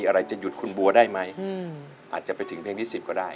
อะไรจะหยุดคุณบัวได้ไหมอาจจะไปถึงเพลงที่๑๐ก็ได้